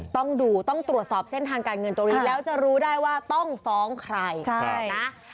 ต้องดูต้องตรวจสอบเส้นทางการเงินตรงนี้แล้วจะรู้ได้ว่าต้องฟ้องใครนะ